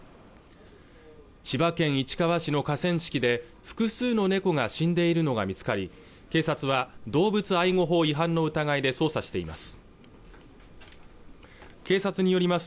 千葉県市川市の河川敷で複数の猫が死んでいるのが見つかり警察は動物愛護法違反の疑いで捜査しています